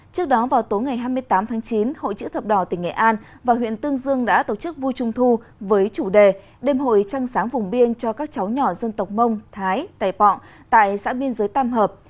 trước đó vào tối ngày hai mươi tám tháng chín hội chữ thập đỏ tỉnh nghệ an và huyện tương dương đã tổ chức vui trung thu với chủ đề đêm hội trăng sáng vùng biên cho các cháu nhỏ dân tộc mông thái tài pọng tại xã biên giới tam hợp